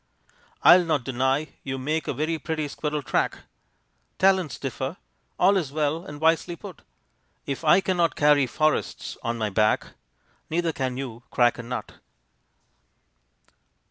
I'll not deny you make A very pretty squirrel track; Talents differ; all is well and wisely put; If I cannot carry forests on my back, Neither can you crack a nut."